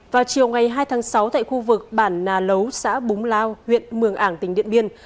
vào chiều ngày hai tháng sáu tại khu vực bản nà lấu xã búng lao huyện mường ảng tỉnh điện biên